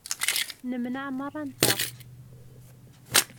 Nemneɛ merra-nteɣ.